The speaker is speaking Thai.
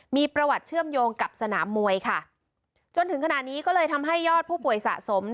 มีประวัติเชื่อมโยงกับสนามมวยค่ะจนถึงขณะนี้ก็เลยทำให้ยอดผู้ป่วยสะสม